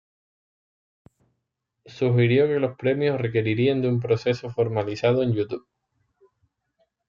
Sugirió que los premios requerirían de un proceso formalizado en YouTube.